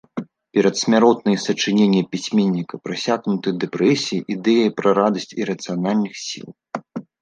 Перадсмяротныя сачыненні пісьменніка прасякнуты дэпрэсіяй, ідэяй пра радасць ірацыянальных сіл.